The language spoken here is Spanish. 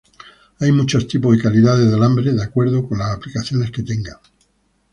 Hay muchos tipos y calidades de alambre de acuerdo con las aplicaciones que tengan.